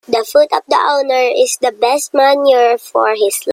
The foot of the owner is the best manure for his land.